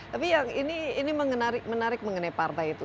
tapi ini menarik mengenai partai itu